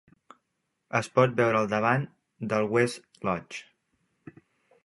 Es pot veure al davant del West Lodge.